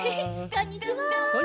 こんにちは！